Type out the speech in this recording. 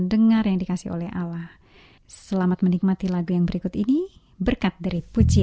hanya dia satu satunya allah sungguh baik